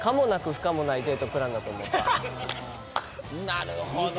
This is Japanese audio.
なるほどね！